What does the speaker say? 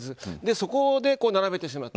そこで、並べてしまった。